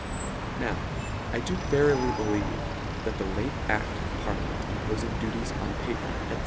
Now I do verily believe, that the late acl of parliament impofing duties on paper, &c.